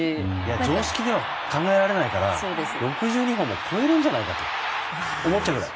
常識では考えられないから６２本超えるんじゃないかと思ってしまうくらい。